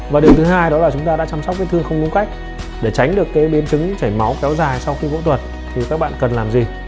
và điều thứ hai đó là chúng ta đã chăm sóc vết thương không đúng cách để tránh được cái biến chứng chảy máu kéo dài sau khi phẫu thuật thì các bạn cần làm gì